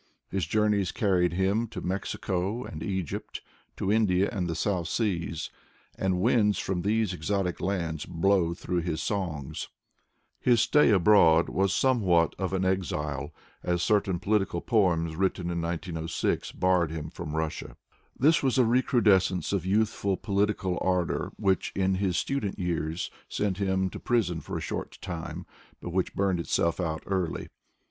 His Journeya carried him to Mexico and Hgypt, to India and the South Seas, and winds from these exotic lands blow through his songs. His stay abroad waa loraewhat of an exile, as certain political po barred him from Russia. This was a recrudescence of youth ful political ardor, nhich, in his student years, sent him to prison for a short lime, but which burned itself out early.